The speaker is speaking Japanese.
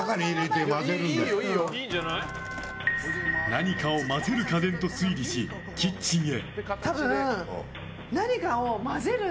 何かを混ぜる家電と推理しキッチンへ。